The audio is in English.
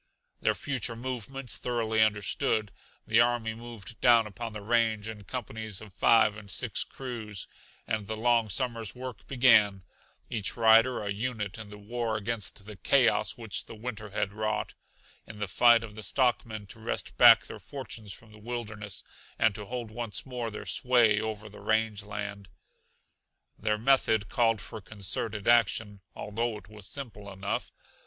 Their future movements thoroughly understood, the army moved down upon the range in companies of five and six crews, and the long summer's work began; each rider a unit in the war against the chaos which the winter had wrought; in the fight of the stockmen to wrest back their fortunes from the wilderness, and to hold once more their sway over the range land. Their method called for concerted action, although it was simple enough.